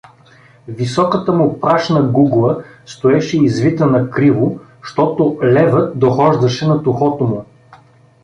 Високата му прашна гугла стоеше извита накриво, щото левът дохождаше над ухото му.